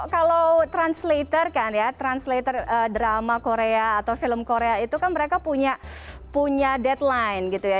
kalau translator kan ya translator drama korea atau film korea itu kan mereka punya deadline gitu ya